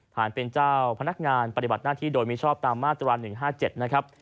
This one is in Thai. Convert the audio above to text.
ฐานเป็นเจ้าพนักงานปฏิบัติหน้าที่โดยมิชอบตามมาตรา๑๕๗นะครับ